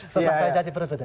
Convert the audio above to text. setelah saya jadi presiden